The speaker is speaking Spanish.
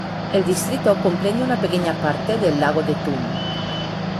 El distrito comprende una pequeña parte del lago de Thun.